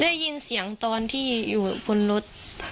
ได้ยินเสียงตอนที่อยู่บนรถ